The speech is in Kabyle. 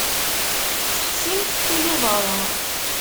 Sexsimt tiliẓṛi.